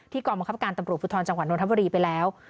ที่กรรมคับการตำรวจผู้ทรวจจังหวัดโนธับรีไปแล้ว